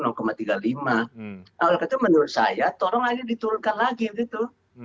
oleh karena itu menurut saya tolonglah ini diturunkan lagi begitu